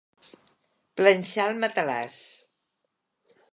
Planxar el matalàs.